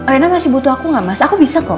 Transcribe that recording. rena masih butuh aku nggak mas aku bisa kok